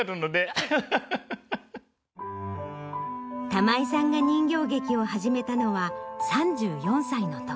玉井さんが人形劇を始めたのは３４歳のとき。